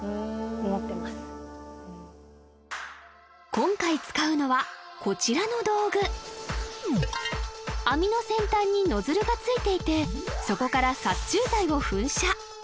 今回使うのはこちらの道具網の先端にノズルがついていてそこから殺虫剤を噴射